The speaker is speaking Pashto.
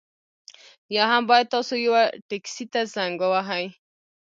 یا هم باید تاسو یوه ټکسي ته زنګ ووهئ